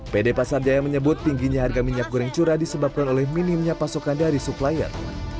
pd pasar jaya menyebut tingginya harga minyak goreng curah disebabkan oleh minimnya pasokan dari supplier